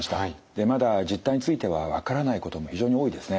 でまだ実態については分からないことも非常に多いですね。